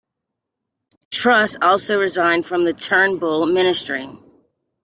Truss also resigned from the Turnbull Ministry.